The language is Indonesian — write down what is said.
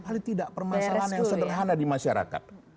paling tidak permasalahan yang sederhana di masyarakat